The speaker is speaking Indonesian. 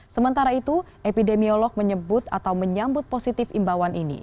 sementara itu epidemiolog menyebut atau menyambut positif imbauan ini